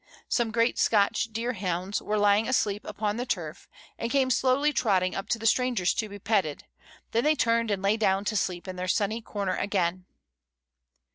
Some great Scotch deerhounds were lying asleep upon the turf, and came slowly trotting up to the strangers to be petted, then they turned and lay down to sleep in their sunny corner again.